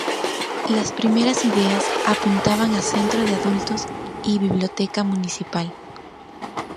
Las primeras ideas apuntaban a Centro de Adultos y biblioteca municipal.